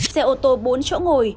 xe ô tô bốn chỗ ngồi